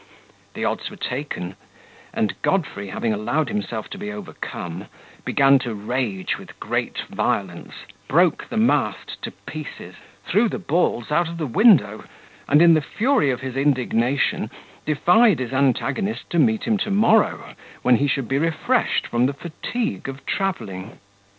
The odds were taken; and Godfrey having allowed himself to be overcome, began to rage with great violence, broke the mast to pieces, threw the balls out of the window, and, in the fury of his indignation, defied his antagonist to meet him tomorrow, when he should be refreshed from the fatigue of travelling.